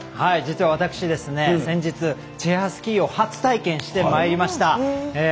実は私、先日チェアスキーを初体験してまいりました。